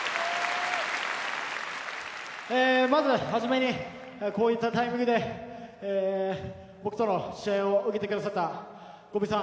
まず初めにこういったタイミングで僕との試合を受けてくださった五味さん